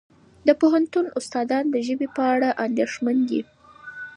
د پوهنتون استادان د ژبې په اړه اندېښمن دي.